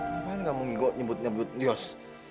ngapain kamu ngigot nyebut nyebut yos